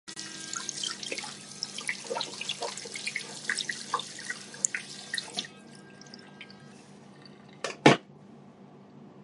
聚变能指利用核聚变产生能量。